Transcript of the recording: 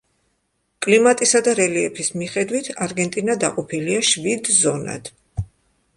კლიმატისა და რელიეფის მიხედვით, არგენტინა დაყოფილია შვიდ ზონად.